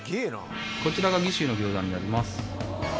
こちらが岐州の餃子になります。